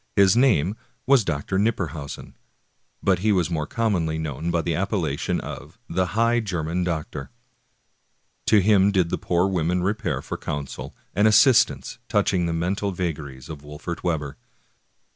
His name was Dr. Knipperhausen, but he was more commonly known by the appellation of the " High German Doctor." ^ To him did the poor women repair for counsel and assist ance touching the mental vagaries of Wolfert Webber.